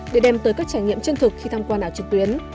để đem tới các trải nghiệm chân thực khi tham quan ảo trực tuyến